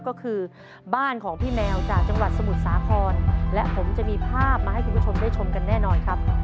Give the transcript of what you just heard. ก็คือบ้านของพี่แมวจากจังหวัดสมุทรสาครและผมจะมีภาพมาให้คุณผู้ชมได้ชมกันแน่นอนครับ